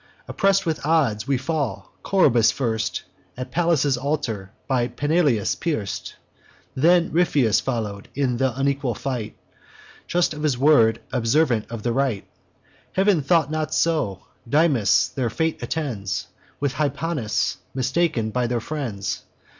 Oppress'd with odds, we fall; Coroebus first, At Pallas' altar, by Peneleus pierc'd. Then Ripheus follow'd, in th' unequal fight; Just of his word, observant of the right: Heav'n thought not so. Dymas their fate attends, With Hypanis, mistaken by their friends.